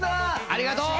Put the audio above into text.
ありがとう！